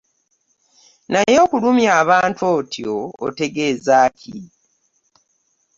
Naye okulumya abantu otyo otegeeza ki?